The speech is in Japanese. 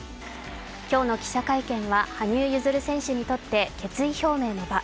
今日の記者会見は羽生結弦選手にとって決意表明の場。